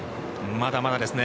まだまだですね。